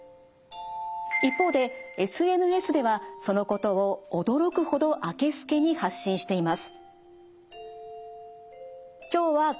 一方でＳＮＳではそのことを驚くほどあけすけに発信しています。